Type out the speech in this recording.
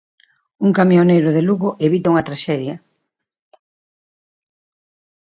Un camioneiro de Lugo evita unha traxedia.